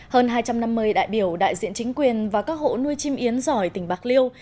hơn hai trăm năm mươi đại biểu đại diện chính quyền và các hộ nuôi chim yến giỏi tỉnh bạc liêu